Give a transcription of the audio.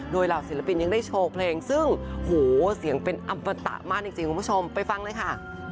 โดยเหล่าศิลปินยังได้โชว์เพลงซึ่งโหเสียงเป็นอัมปะตะมากจริงคุณผู้ชมไปฟังเลยค่ะ